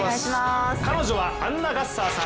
彼女は、アンナ・ガッサーさん。